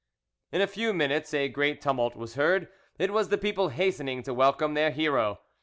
In a few minutes a great tumult was heard: it was the people hastening to welcome their hero.